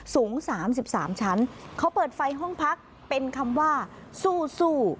สูงสามสิบสามชั้นเขาเปิดไฟห้องพักเป็นคำว่าสู้สู้